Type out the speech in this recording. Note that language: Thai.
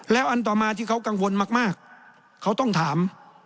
แล้วอันต่อมาที่เขากังวลมากเขาต้องถาม